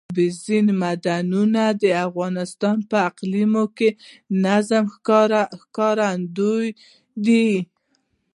اوبزین معدنونه د افغانستان د اقلیمي نظام ښکارندوی ده.